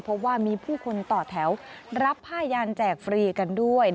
เพราะว่ามีผู้คนต่อแถวรับผ้ายานแจกฟรีกันด้วย